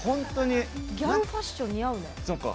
ギャルファッション似合うね。